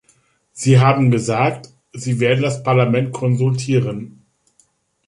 Sie haben gesagt, Sie werden das Parlament konsultieren.